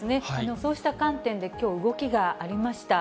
そうした観点で、きょう、動きがありました。